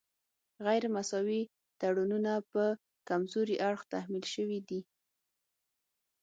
غیر مساوي تړونونه په کمزوري اړخ تحمیل شوي دي